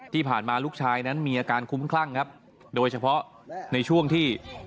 ที่ผ่านมาลูกชายนั้นมีอาการคุ้มคลั่งครับโดยเฉพาะในช่วงที่